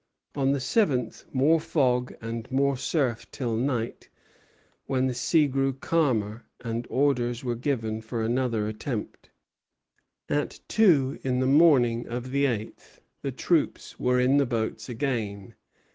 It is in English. On the seventh more fog and more surf till night, when the sea grew calmer, and orders were given for another attempt. At two in the morning of the eighth the troops were in the boats again.